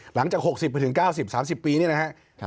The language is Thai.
หลังจาก๖๐ไปถึง๙๐๓๐ปีนี่นะครับ